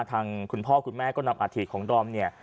ทางคุณพ่อคุณแม่ก็นำอาถิของดอมเนี่ย